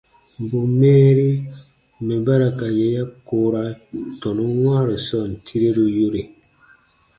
Bù mɛɛri mɛ̀ ba ra ka yè ya koora tɔnun wãaru sɔɔn tireru yore.